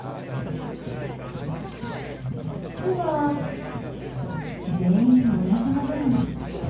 くつは全員同じものに。